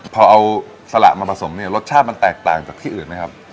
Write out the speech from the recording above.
พอเอาสละมาผสมเนี่ยรสชาติมันแตกต่างจากที่อื่นไหมครับ